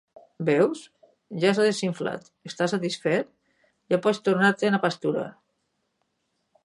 Veus? Ja s’ha desinflat! Estàs satisfet? Ja pots tornar-te’n a pasturar.